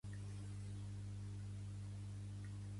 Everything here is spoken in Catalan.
Pertany al moviment independentista la Maria del Mar?